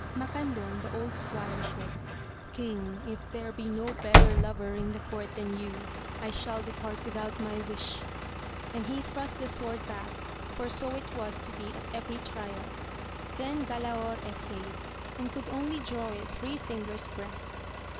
Macandon, the old squire, said, King, if there be no better lover in the court than you, I shall depart without my wish, and he thrust the sword back, for so it was to be at every trial ; then Galaor essayed, and could only draw it three fingers' breadth.